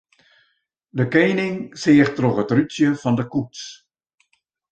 De kening seach troch it rútsje fan de koets.